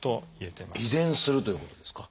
遺伝するということですか？